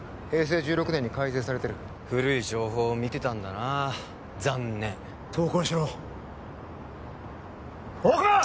平成１６年に改正されてる古い情報を見てたんだな残念投降しろ大熊！